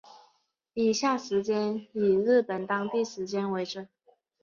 以下时间以日本当地时间为准